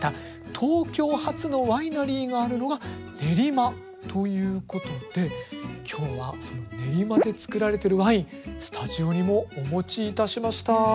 東京初のワイナリーがあるのが練馬ということで今日はその練馬で造られてるワインスタジオにもお持ちいたしました。